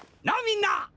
なあみんな！